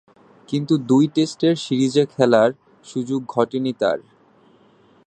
কিন্তু দুই-টেস্টের সিরিজে খেলার সুযোগ ঘটেনি তার।